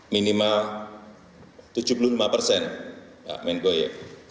minimal tujuh puluh lima persen pak menko ya